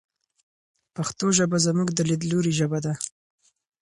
پښتو ژبه زموږ د لیدلوري ژبه ده.